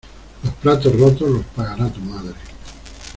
Los platos rotos los pagará tu madre.